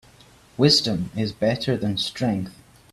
Wisdom is better than strength.